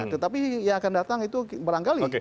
tetapi yang akan datang itu barangkali